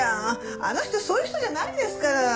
あの人そういう人じゃないですから。